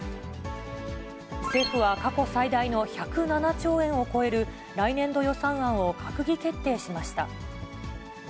政府は過去最大の１０７兆円を超える来年度予算案を閣議決定しました。